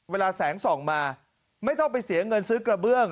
เวลาแสงส่องมาไม่ต้องไปเสียเงินซื้อกระเบื้อง